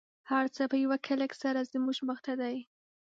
هر څه په یوه کلیک سره زموږ مخته دی